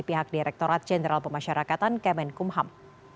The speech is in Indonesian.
pihak direkturat jenderal pemasyarakatan kemenkumham